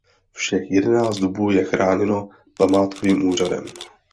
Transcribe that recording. Všech jedenáct dubů je chráněno památkovým úřadem.